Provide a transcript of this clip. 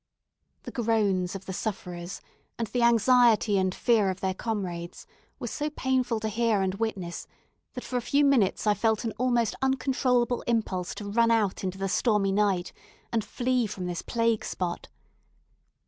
The groans of the sufferers and the anxiety and fear of their comrades were so painful to hear and witness, that for a few minutes I felt an almost uncontrollable impulse to run out into the stormy night, and flee from this plague spot.